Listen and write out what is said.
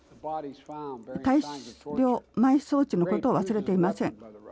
大量埋葬地のことを忘れていません。